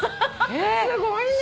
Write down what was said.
すごいね。